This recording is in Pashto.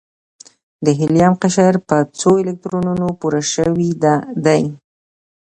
د هیلیم قشر په څو الکترونونو پوره شوی دی؟